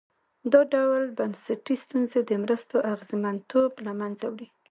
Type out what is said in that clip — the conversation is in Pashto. دا ډول بنسټي ستونزې د مرستو اغېزمنتوب له منځه وړي.